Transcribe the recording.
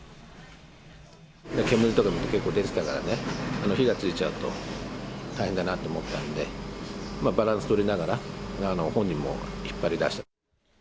煙とかも結構出てたからね、火がついちゃうと大変だなと思ったんで、バランスとりながら、本人を引っ張り出した。